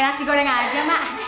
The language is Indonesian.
nasi goreng aja mak